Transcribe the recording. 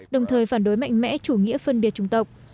đồng thời phản đối mạnh mẽ chủ nghĩa phân biệt chủng tộc